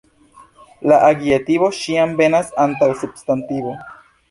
La adjektivo ĉiam venas antaŭ substantivo.